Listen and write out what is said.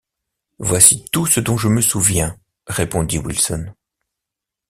Voici tout ce dont je me souviens, répondit Wilson.